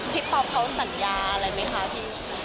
ป๊อปเขาสัญญาอะไรไหมคะพี่